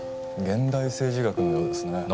現代政治学のようですね。